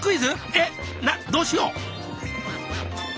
えっどうしよう！